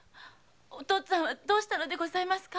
お父っつぁんはどうしたのですか